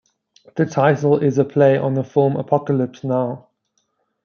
The title is a play on the film "Apocalypse Now".